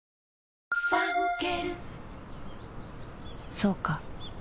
そうか